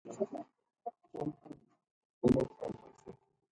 He killed Rodriguez after repeatedly shooting him in his chest.